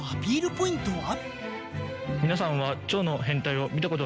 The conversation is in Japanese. ポイントは？